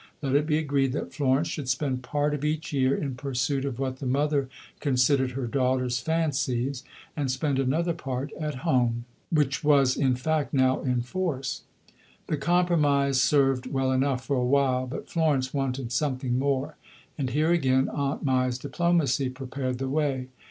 Let it be agreed that Florence should spend part of each year in pursuit of what the mother considered her daughter's fancies, and spend another part at home. This was the arrangement which was in fact now in force. The compromise served well enough for a while, but Florence wanted something more; and here, again, Aunt Mai's diplomacy prepared the way.